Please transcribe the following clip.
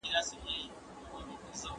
دی له خپل ځان سره پټې خبرې کوي.